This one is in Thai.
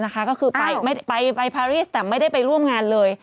ก็คือไปพารีสแต่ไม่ได้ไปร่วมงานเลย